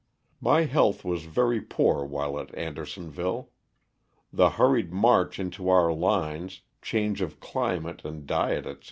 My health was very poor while at Andersonville. The hurried march into our lines, change of climate and diet, etc.